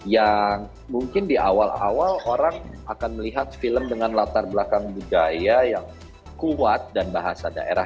yang mungkin di awal awal orang akan melihat film dengan latar belakang budaya yang kuat dan bahasa daerah